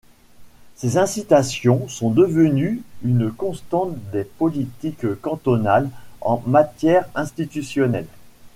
Ces incitations sont devenues une constante des politiques cantonales en matière institutionnelle.